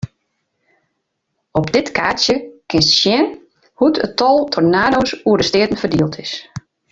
Op dit kaartsje kinst sjen hoe't it tal tornado's oer de steaten ferdield is.